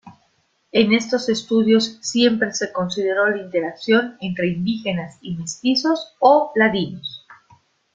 En estos estudios siempre se consideró la interacción entre indígenas y mestizos o ladinos.